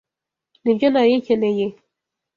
Nibyo nari nkeneye.